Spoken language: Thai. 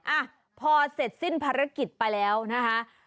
อ่ะพอเสร็จสิ้นภารกิจไปแล้วนะคะ